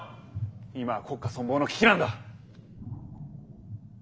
今は国家存亡の危機なんだ。